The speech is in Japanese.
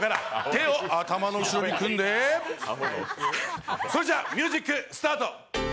手を頭の後ろに組んで、それじゃあミュージックスタート！